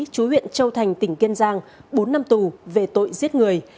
chú huyện châu thành tỉnh kiên giang bốn năm tù về tội giết người